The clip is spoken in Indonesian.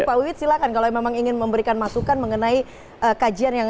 pak wiwit silahkan kalau memang ingin memberikan masukan mengenai kajian yang